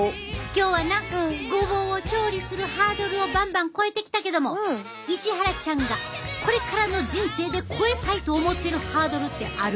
今日はなごぼうを調理するハードルをバンバン越えてきたけども石原ちゃんがこれからの人生で越えたいと思ってるハードルってある？